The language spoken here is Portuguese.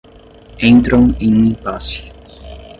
entram em um impasse